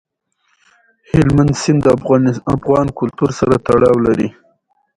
هلمند سیند د افغان کلتور سره تړاو لري.